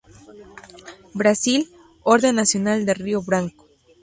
Brasil: Orden Nacional de Río Branco.